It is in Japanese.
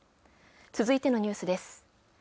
続いてのニュースです。